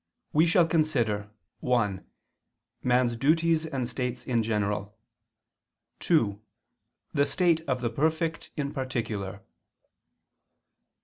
We shall consider (1) man's duties and states in general; (2) the state of the perfect in particular.